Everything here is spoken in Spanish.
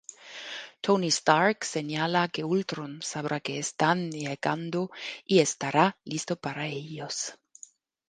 Tony Stark señala que Ultron sabrá que están llegando y estará listo para ellos.